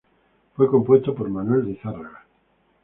Fue compuesto por Manuel Lizárraga.